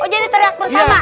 oh jadi tereak bersama